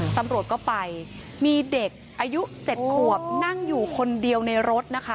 ตำรวจก็ไปมีเด็กอายุ๗ขวบนั่งอยู่คนเดียวในรถนะคะ